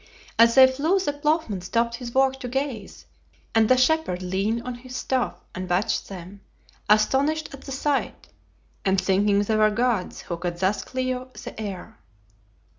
As they flew the ploughman stopped his work to gaze, and the shepherd leaned on his staff and watched them, astonished at the sight, and thinking they were gods who could thus cleave the air.